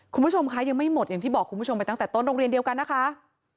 คุณผู้ชมคะยังไม่หมดอย่างที่บอกคุณผู้ชมไปตั้งแต่ต้นโรงเรียนเดียวกันนะคะ